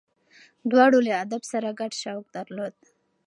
دواړو له ادب سره ګډ شوق درلود.